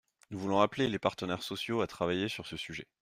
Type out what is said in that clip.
Nous voulons appeler les partenaires sociaux à travailler sur ce sujet.